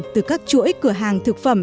từ các chuỗi cửa hàng thực phẩm